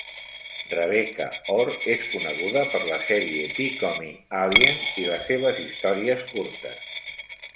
Rebecca Ore és coneguda per la sèrie Becoming Alien i les seves històries curtes.